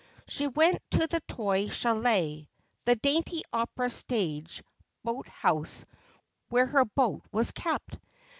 She went to the toy chalet, the dainty opera stage boat house where her boat was kept.